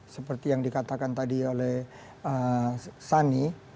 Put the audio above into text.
seperti yang dikatakan tadi oleh sani